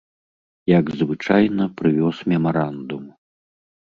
Як звычайна, прывёз мемарандум.